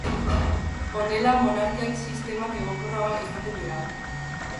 Honela, monarkia-sistemak egonkorragoak izaten dira.